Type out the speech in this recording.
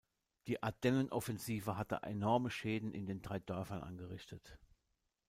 Die Ardennenoffensive hatte enorme Schäden in den drei Dörfern angerichtet.